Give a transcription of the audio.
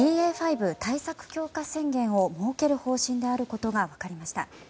５対策強化宣言を設ける方針であることが分かりました。